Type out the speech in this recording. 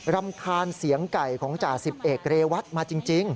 รำคาญเสียงไก่ของจ่าสิบเอกเรวัตมาจริง